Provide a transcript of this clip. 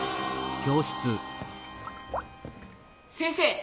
先生。